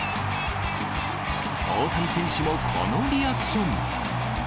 大谷選手もこのリアクション。